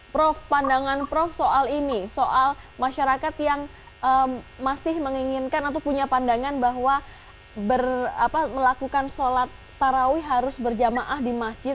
prof pandangan prof soal ini soal masyarakat yang masih menginginkan atau punya pandangan bahwa melakukan sholat tarawih harus berjamaah di masjid